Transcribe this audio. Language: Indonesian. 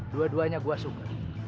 dua duanya gua suka